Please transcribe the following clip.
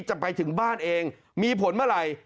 จะไปถึงบ้านเองมีผลเมื่อไหร่